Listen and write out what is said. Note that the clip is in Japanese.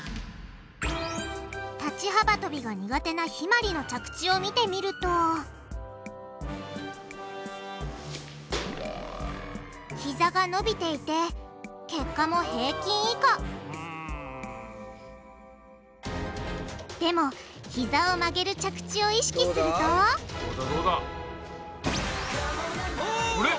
立ち幅とびが苦手なひまりの着地を見てみるとひざが伸びていて結果も平均以下でもひざを曲げる着地を意識するとおぉ！